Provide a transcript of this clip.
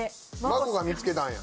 まこが見つけたんや？